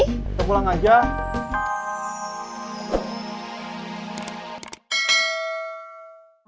kita pulang aja